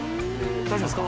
大丈夫ですか？